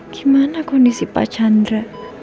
gimana kondisi pak chandra